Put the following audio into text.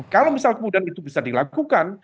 kalau misal kemudian itu bisa dilakukan